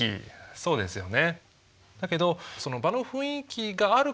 そうですよね。